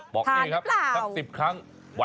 บอกนี่ครับสัก๑๐ครั้ง